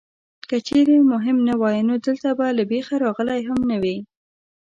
که چېرې مهم نه وای نو دلته به له بېخه راغلی هم نه وې.